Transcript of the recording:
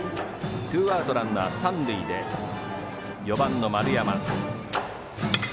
ツーアウト、ランナー、三塁で４番の丸山。